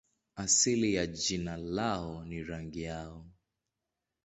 Asili ya jina lao ni rangi yao.